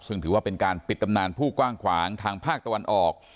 ซึ่งถือว่าเป็นการปิดตำนานผู้กว้างขวางทางภาคตะวันออก